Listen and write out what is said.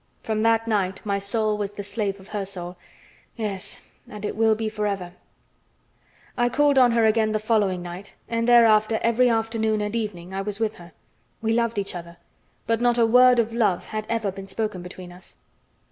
From that night my soul was the slave of her soul; yes, and it will be forever. I called on her again the following night, and thereafter every afternoon and evening I was with her. We loved each other, but not a word of love had ever been spoken between us.